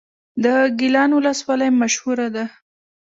د ګیلان ولسوالۍ مشهوره ده